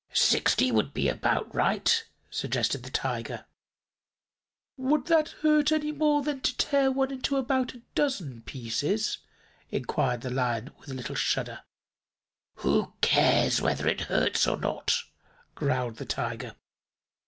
"Sixty would be about right," suggested the Tiger. "Would that hurt any more than to tear one into about a dozen pieces?" inquired the Lion, with a little shudder. "Who cares whether it hurts or not?" growled the Tiger.